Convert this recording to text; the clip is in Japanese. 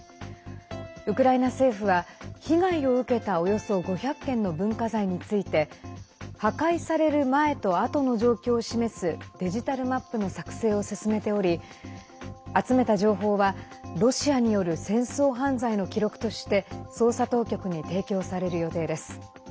ウクライナ政府は被害を受けたおよそ５００件の文化財について破壊される前とあとの状況を示すデジタルマップの作成を進めており集めた情報は、ロシアによる戦争犯罪の記録として捜査当局に提供される予定です。